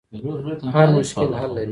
هر مشکل حل لري.